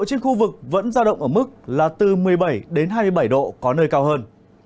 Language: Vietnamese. trên khu vực vẫn giao động ở mức là từ một mươi bảy đến hai mươi bảy độ có nơi cao hơn